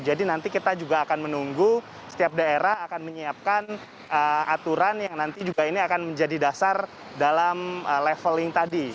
jadi nanti kita juga akan menunggu setiap daerah akan menyiapkan aturan yang nanti juga ini akan menjadi dasar dalam leveling tadi